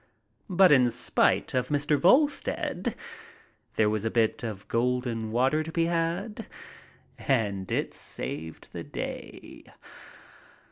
But in spite of Mr. Volstead there was a bit of "golden water" to be had, and it saved the day.